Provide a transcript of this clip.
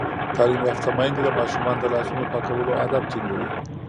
تعلیم یافته میندې د ماشومانو د لاسونو پاکولو عادت ټینګوي.